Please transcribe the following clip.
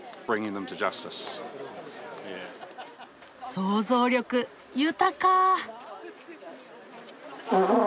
想像力豊か！